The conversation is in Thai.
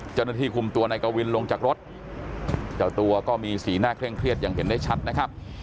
เจ้าหน้าที่คุมตัวนายกวินลงจากรถเจ้าตัวก็มีสีหน้าเคร่งเครียดอย่างเห็นได้ชัดนะครับ